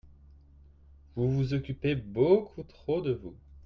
Vous vous occupez beaucoup trop de vous…